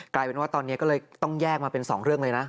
กลายเป็นว่าตอนนี้ก็เลยต้องแยกมาเป็น๒เรื่องเลยนะ